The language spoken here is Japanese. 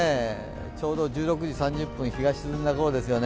ちょうど１６時３０分、日が沈んだ頃ですね。